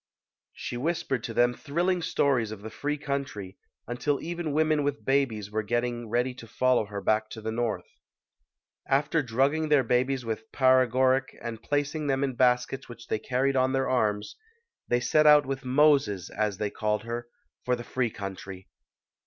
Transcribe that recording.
She whispered to them thrilling stories of the free country, until even women with babies were get ting ready to follow her back to the North. After drugging their babies with paregoric and placing HARRIET TUBMAN [ 95 them in baskets which they carried on their arms, they set out with "Moses", as they called her, for the free country.